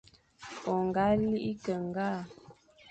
O ñga lighé ke ñgale,